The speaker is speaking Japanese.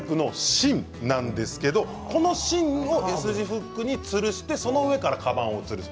芯なんですけどこの芯をＳ字フックにつるしてその上からかばんをつるす。